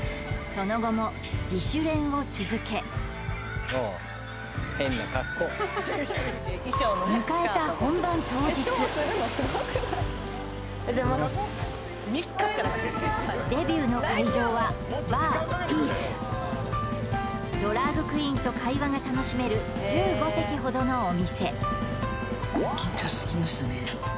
その後も自主練を続け迎えた本番当日デビューの会場はＢａｒＰｉｅｃｅドラァグクイーンと会話が楽しめる１５席ほどのお店緊張してきましたね